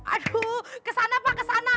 aduh kesana pak kesana